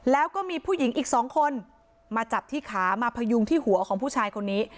แล้วก็มีผู้หญิงอีกสองคนมาจับที่ขามาพยุงที่หัวของผู้ชายคนนี้